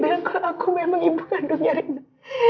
dia bilang kalau aku memang ibu kandungnya rena